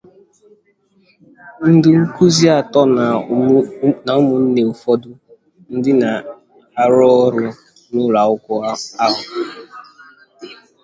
ndị nkuzi atọ na ụmụnne ụfọdụ ndị na-arụ ọrụ n'ụlọakwụkwọ ahụ